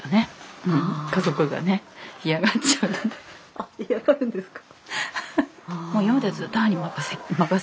あっ干上がるんですか？